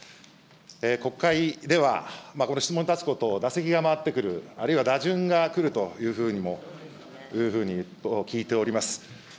国会では、この質問に立つことを打席が回ってくる、あるいは打順が来るというふうにも、聞いております。